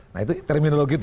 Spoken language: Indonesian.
nah itu terminologi itu